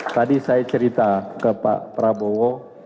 tadi saya cerita ke pak prabowo